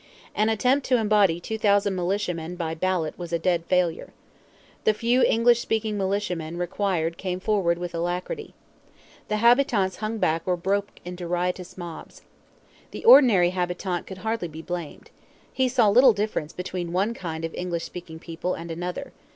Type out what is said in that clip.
An attempt to embody two thousand militiamen by ballot was a dead failure. The few English speaking militiamen required came forward 'with alacrity.' The habitants hung back or broke into riotous mobs. The ordinary habitant could hardly be blamed. He saw little difference between one kind of English speaking people and another.